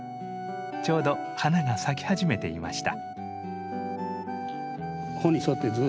ちょうど花が咲き始めていました。